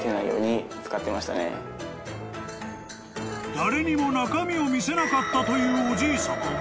［誰にも中身を見せなかったというおじいさま］